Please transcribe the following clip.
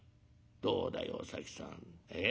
どうだいお崎さんええ？